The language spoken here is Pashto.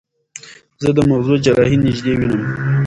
زه د مغزو جراحي نږدې وینم.